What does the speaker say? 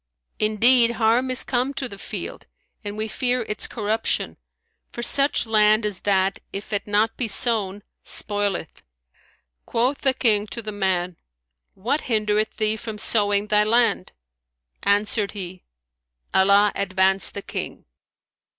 Indeed, harm is come to the field, and we fear its corruption, for such land as that if it be not sown, spoileth." Quoth the King to the man, "What hindereth thee from sowing thy land?" Answered he, "Allah advance the King!